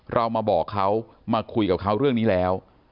เรามาบอกเขามาคุยกับเขาเรื่องนี้แล้ว